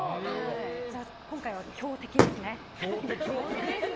じゃあ、今回は強敵ですね。